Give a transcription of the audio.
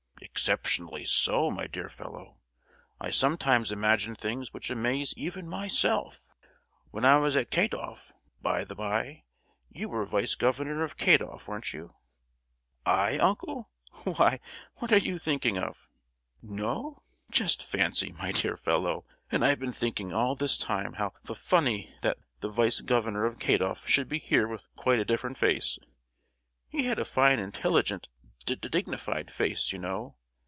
"Exceptionally so, my dear fellow. I sometimes imagine things which amaze even myself! When I was at Kadueff,—by the by, you were vice governor of Kadueff, weren't you?" "I, uncle! Why, what are you thinking of?" "No? Just fancy, my dear fellow! and I've been thinking all this time how f—funny that the vice governor of Kadueff should be here with quite a different face: he had a fine intelligent, dig—dignified face, you know.